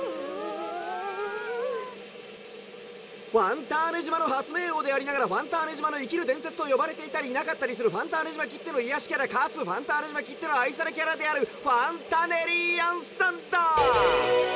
「ファンターネ島の発明王でありながらファンターネ島の生きる伝説と呼ばれていたりいなかったりするファンターネ島きっての癒やしキャラかつファンターネ島きっての愛されキャラであるファンタネリアンさんだ！」。